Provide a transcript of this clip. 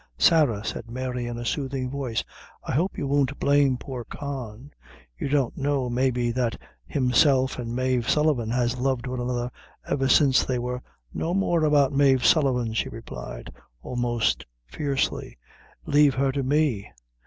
"Sarah," said Mary, in a soothing voice, "I hope you won't blame poor Con. You don't know maybe that himself an' Mave Sullivan has loved one another ever since they were " "No more about Mave Sullivan," she replied, almost fiercely; "lave her to me.